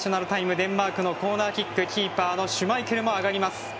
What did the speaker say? デンマークのコーナーキックキーパーのシュマイケルも上がります。